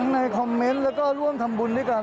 ในคอมเมนต์แล้วก็ร่วมทำบุญด้วยกัน